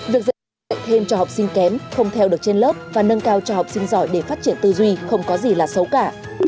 việc dạy thêm cho học sinh kém không theo được trên lớp và nâng cao cho học sinh giỏi để phát triển tư duy không có gì là xấu cả